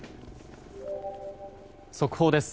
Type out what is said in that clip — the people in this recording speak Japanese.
速報です。